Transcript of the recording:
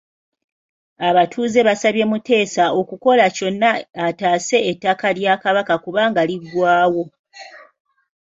Abatuuze basabye Muteesa okukola kyonna ataase ettaka lya Kabaka kubanga liggwaawo.